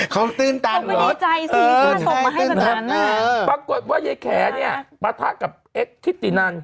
เขาตื่นตังหรอปรากฏว่าไอ้แขลเนี่ยมาทักกับเอ็กซ์ทิตตินั่น